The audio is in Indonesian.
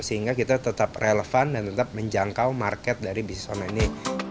sehingga kita tetap relevan dan tetap menjangkau market dari bisnis online ini